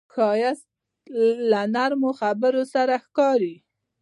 ښایست له نرمو خبرو سره ښکاري